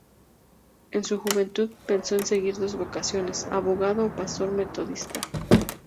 En su juventud, pensó en seguir dos vocaciones, abogado o pastor metodista.